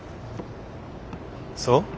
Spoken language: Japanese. そう？